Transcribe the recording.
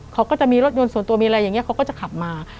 เขาก็จะมีรถยนต์ส่วนตัวมีอะไรอย่างนี้เขาก็จะขับมา